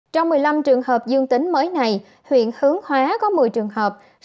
trong một mươi năm trường hợp dương tính mới này huyện hướng hóa có một mươi trường hợp